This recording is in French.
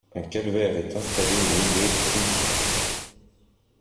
Un calvaire est installé au milieu du cimetière.